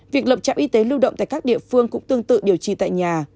việc lập trạm y tế lưu động tại các địa phương cũng tương tự điều trị tại nhà